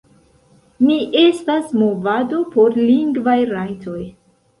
Ni estas movado por lingvaj rajtoj.